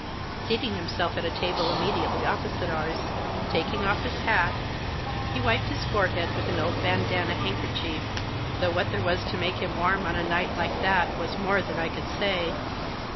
Seating himself at a table immediately opposite ours, taking off his hat, he wiped his forehead with an old bandanna handkerchief; though what there was to make him warm on a night like that was more than I could say.